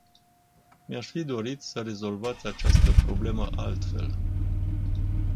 Mi-aș fi dorit să rezolvați această problemă altfel.